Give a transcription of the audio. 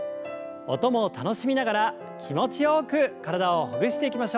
音も楽しみながら気持ちよく体をほぐしていきましょう。